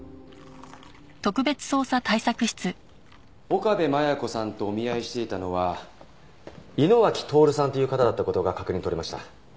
岡部真矢子さんとお見合いをしていたのは井野脇透さんという方だった事が確認とれました。